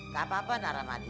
gak apa apa nah rahmadi